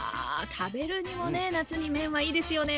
食べるにもね夏に麺はいいですよね。